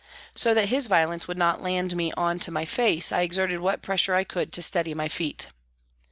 So that his violence would not land me on to my face I exerted what pressure I could to steady my feet.